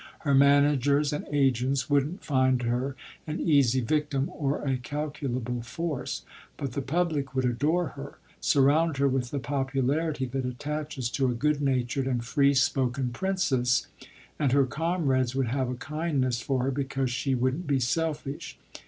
Her managers and agents wouldn't find her an easy victim or a calculable force; but the public would adore her, surround her with the popularity that attaches to a good natured and free spoken princess, and her comrades would have a kindness for her because she wouldn't be selfish.